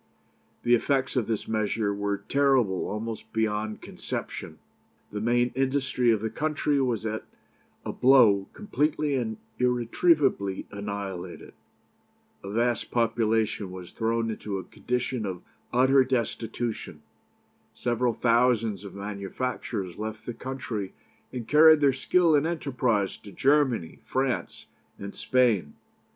"The effects of this measure were terrible almost beyond conception. The main industry of the country was at a blow completely and irretrievably annihilated. A vast population was thrown into a condition of utter destitution. Several thousands of manufacturers left the country, and carried their skill and enterprise to Germany, France, and Spain.